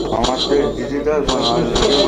তিনি ইংল্যান্ডে এগুলির প্রদর্শনী আয়োজন করবেন না।